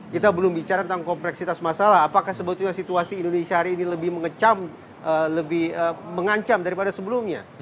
kita belum bicara tentang kompleksitas masalah apakah sebetulnya situasi indonesia hari ini lebih mengecam lebih mengancam daripada sebelumnya